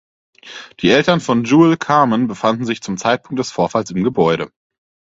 Die Eltern von Jewel Carmen befanden sich zum Zeitpunkt des Vorfalls im Gebäude.